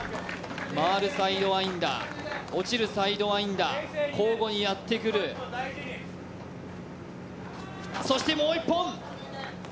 回るサイドワインダー、落ちるサイドワインダー、交互にやってくるそして毛一本。